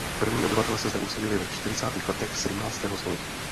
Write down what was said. První obyvatelé se zde usadili ve čtyřicátých letech sedmnáctého století.